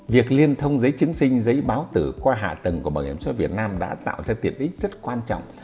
việc liên thông giấy chứng sinh giấy báo tử qua hạ tầng của bảo hiểm xã hội việt nam đã tạo ra tiềm ích rất quan trọng